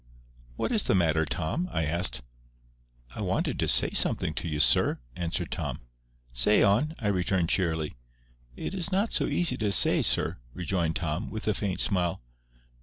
"What is the matter, Tom?" I asked. "I wanted to say something to you, sir," answered Tom. "Say on," I returned, cheerily. "It is not so easy to say, sir," rejoined Tom, with a faint smile.